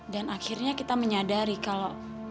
dan akhirnya kita menyadari kalau